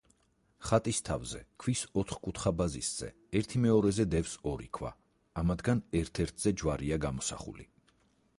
ხატის თავზე, ქვის ოთხკუთხა ბაზისზე, ერთიმეორეზე დევს ორი ქვა, ამათგან ერთ-ერთზე ჯვარია გამოსახული.